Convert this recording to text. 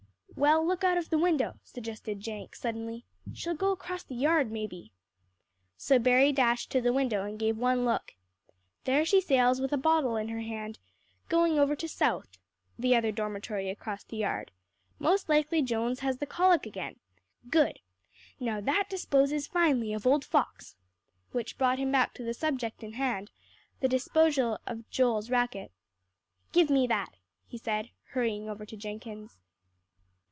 "Well, look out of the window," suggested Jenk suddenly. "She'll go across the yard, maybe." So Berry dashed to the window, and gave one look. "There she sails with a bottle in her hand, going over to South" (the other dormitory across the yard). "Most likely Jones has the colic again. Good! Now that disposes finely of old Fox," which brought him back to the subject in hand, the disposal of Joel's racket. "Give me that," he said, hurrying over to Jenkins.